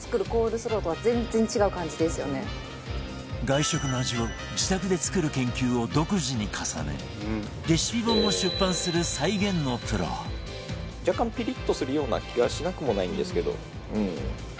外食の味を自宅で作る研究を独自に重ねレシピ本も出版する再現のプロ若干ピリッとするような気がしなくもないんですけど。